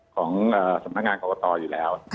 ของสำนักงานกรกตอยู่แล้ว